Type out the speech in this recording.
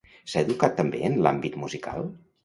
S'ha educat també en l'àmbit musical?